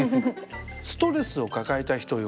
ストレスを抱えた人用。